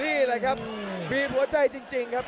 นี่แหละครับบีบหัวใจจริงครับ